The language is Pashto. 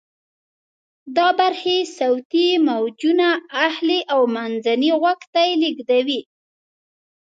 دا برخې صوتی موجونه اخلي او منځني غوږ ته لیږدوي.